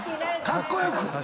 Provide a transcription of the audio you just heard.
かっこよく。